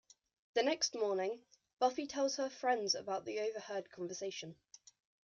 The next morning, Buffy tells her friends about the overheard conversation.